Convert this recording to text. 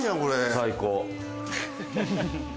最高。